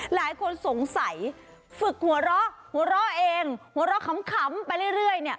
หลายคนสงสัยฝึกหัวเราะหัวเราะเองหัวเราะขำไปเรื่อยเนี่ย